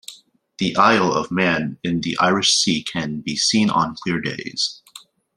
The Isle of Man in the Irish Sea can be seen on clear days.